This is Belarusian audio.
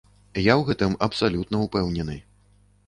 Я ў гэтым абсалютна ўпэўнены.